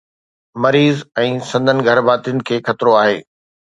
مريض ۽ سندن گهرڀاتين کي خطرو آهي.